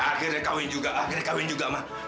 akhirnya kawin juga akhirnya kawin juga mah